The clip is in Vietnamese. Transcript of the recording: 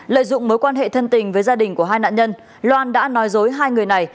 lợi dụng mối quan hệ thân tình với gia đình của hai nạn nhân loan đã nói dối hai người này